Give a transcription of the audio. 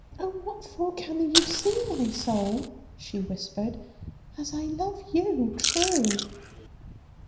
'Oh, what for canna you see, my soul,' she whispered, 'as I love you true?'